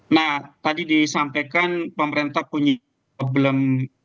nah tadi disampaikan pemerintah punya problem